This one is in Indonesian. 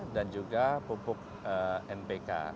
dan juga pupuk npk